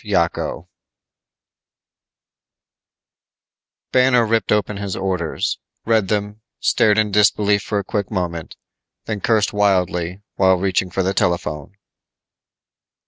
YACO Banner ripped open his orders, read them, stared in disbelief for a quick moment, then cursed wildly while reaching for the telephone.